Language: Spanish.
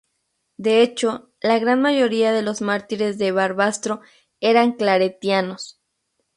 De hecho, la gran mayoría de los mártires de Barbastro eran claretianos.